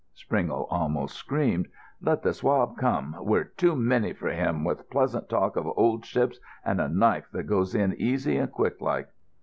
Springle almost screamed. "Let the swab come! We're too many for him, with pleasant talk of old ships and a knife that goes in easy and quick like."